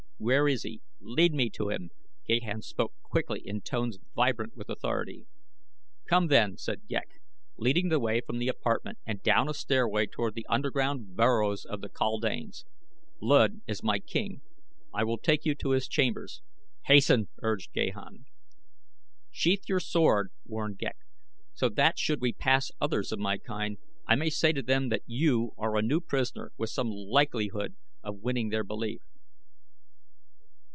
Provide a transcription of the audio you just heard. Where is he? Lead me to him." Gahan spoke quickly in tones vibrant with authority. "Come, then," said Ghek, leading the way from the apartment and down a stairway toward the underground burrows of the kaldanes. "Luud is my king. I will take you to his chambers." "Hasten!" urged Gahan. "Sheathe your sword," warned Ghek, "so that should we pass others of my kind I may say to them that you are a new prisoner with some likelihood of winning their belief."